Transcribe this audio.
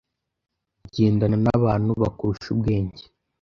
Gendana n’abantu bakurusha ubwenge